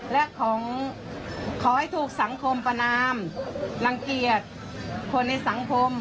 และขอให้ถูกสังคมประนามรังเกียจคนในสังคม